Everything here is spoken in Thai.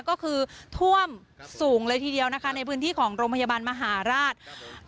ก็คือท่วมสูงเลยทีเดียวนะคะในพื้นที่ของโรงพยาบาลมหาราช